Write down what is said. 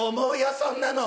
そんなの。